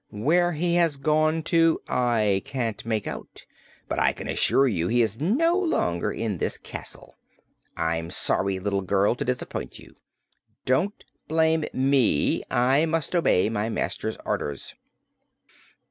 "Where he has gone to, I can't make out, but I can assure you he is no longer in this castle. I'm sorry, little girl, to disappoint you. Don't blame me; I must obey my master's orders."